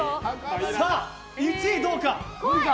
さあ、１位どうか。